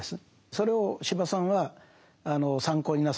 それを司馬さんは参考になさってる。